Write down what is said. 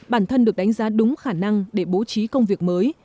bản thân được đánh giá đúng khả năng để bố trí công việc mới